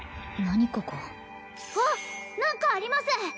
何ここあっ何かあります！